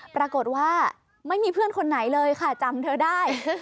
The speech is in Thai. ปรากฏว่าไม่มีเพื่อนคนไหนเลยค่ะจำเธอได้